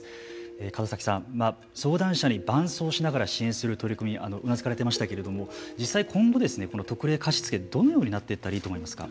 角崎さん、相談者に伴走しながら支援する取り組みうなずかれてましたけれども実際今後特例貸付、どのようになっていったらいいと思いますか。